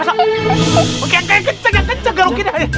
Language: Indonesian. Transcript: yang kenceng yang kenceng garukin ya